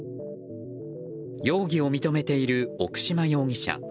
容疑を認めている奥島容疑者。